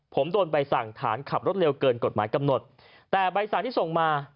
ผมโดนใบสั่งฐานขับรถเร็วเกินกฎหมายกำหนดแต่ใบสั่งที่ส่งมา